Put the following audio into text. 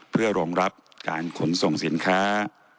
เพื่อรองรับการขนส่งสินค้า